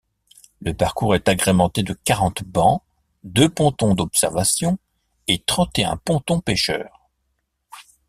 Le parcours est agrémenté de quarante bancs, deux pontons d’observation et trente-et-un pontons pêcheurs.